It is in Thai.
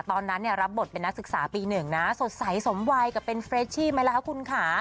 ตอนนั้นเนี่ยรับบทเป็นนักศึกษาปี๑นะสดใสสมวัยกับเป็นเฟรชชี่ไหมล่ะคะคุณค่ะ